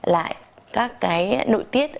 lại các nội tiết